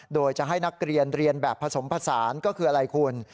โดยจะให้นักเรียนเรียนแบบผสมผสานก็คืออะไรคุณ